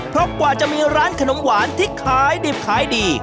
เพราะกว่าจะมีร้านขนมหวานที่ขายดิบขายดี